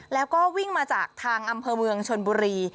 แล้วก็วิ่งมาจากทางอำเภอเมืองชนบุรี